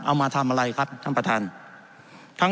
เอามาทำอะไรครับท่านประธาน